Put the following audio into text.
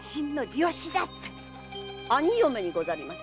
兄嫁にございます。